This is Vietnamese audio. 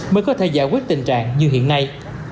mới có thể giải quyết tình trạng như hiện nay